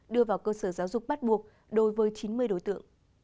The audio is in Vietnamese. đưa vào cơ sở giáo dục bắt buộc đối với chín mươi đối tượng